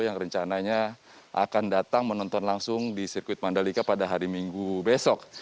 yang rencananya akan datang menonton langsung di sirkuit mandalika pada hari minggu besok